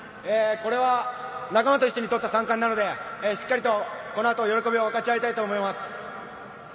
これは仲間と一緒に取った３冠なので、しっかりとこの後喜びを分かち合いたいと思います。